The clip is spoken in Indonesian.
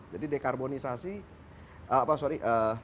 jadi dekarbonisasi sorry